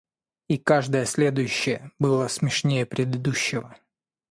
и каждое следующее было смешнее предыдущего.